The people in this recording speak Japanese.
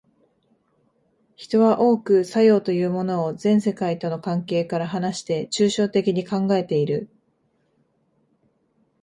人は多く作用というものを全世界との関係から離して抽象的に考えている。